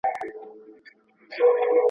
احمد شاه ابدالي څنګه د سولې لپاره هڅه وکړه؟